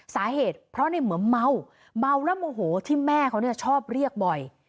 สาเหตุเพราะในเหมือนเมาเมาและโมโหที่แม่เขาเนี่ยชอบเรียกบ่อย